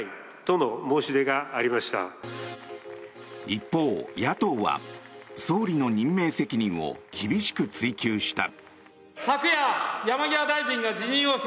一方、野党は総理の任命責任を厳しく追及した。